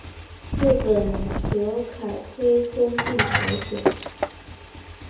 日本则觊觎吞并朝鲜。